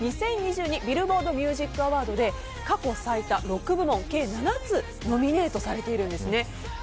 ビルボード・ミュージック・アワードで過去最多６部門、計７つノミネートされているんです。